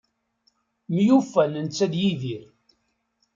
Myufan netta d Yidir.